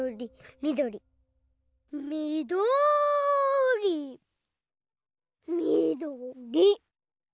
みどりみどりみどり。